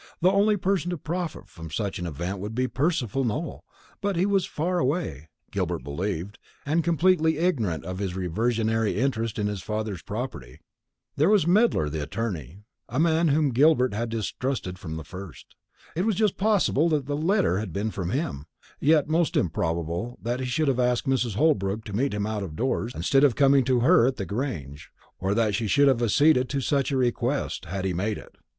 The only person to profit from such an event would be Percival Nowell; but he was far away, Gilbert believed, and completely ignorant of his reversionary interest in his father's property. There was Medler the attorney, a man whom Gilbert had distrusted from the first. It was just possible that the letter had been from him; yet most improbable that he should have asked Mrs. Holbrook to meet him out of doors, instead of coming to her at the Grange, or that she should have acceded to such a request, had he made it.